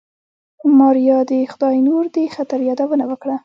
ماريا د خداينور د خطر يادونه وکړه.